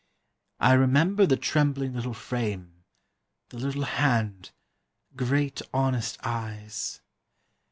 I remember the trembling little frame, the little hand, the great honest eyes.